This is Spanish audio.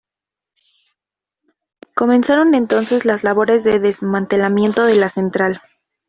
Comenzaron entonces las labores de desmantelamiento de la central.